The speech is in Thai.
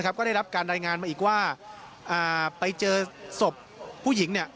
ก็ได้รับการรายงานมาอีกว่าไปเจอศพผู้หญิง